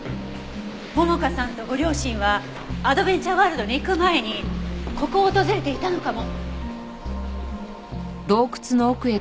桃香さんとご両親はアドベンチャーワールドに行く前にここを訪れていたのかも。